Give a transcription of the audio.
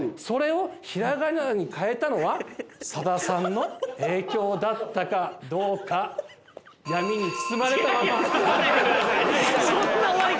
それを、ひらがなに変えたのは、佐田さんの影響だったかどうか、闇に包まれたまま。